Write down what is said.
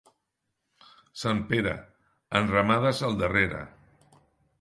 Sant Pere, enramades al darrere.